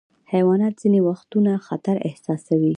حیوانات ځینې وختونه خطر احساسوي.